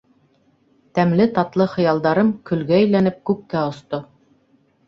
Тәмле-татлы хыялдарым, көлгә әйләнеп, күккә осто.